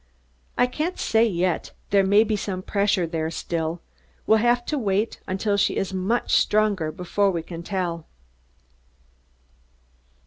"I can't say yet. There may be some pressure there still. We'll have to wait until she is much stronger before we can tell."